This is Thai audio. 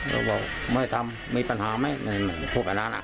เขาบอกไม่ทำมีปัญหาไหมพูดไปนานอ่ะ